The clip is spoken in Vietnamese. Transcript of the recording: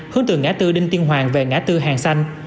hướng từ ngã tư đinh tiên hoàng về ngã tư hàng xanh